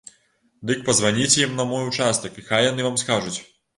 Дык пазваніце ім на мой участак і хай яны вам скажуць.